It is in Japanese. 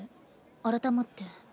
改まって。